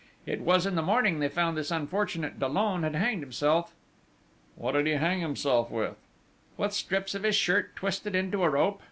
It was in the morning they found this unfortunate Dollon had hanged himself." "What did he hang himself with?" "With strips of his shirt twisted into a rope....